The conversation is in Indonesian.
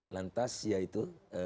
lantas ya itu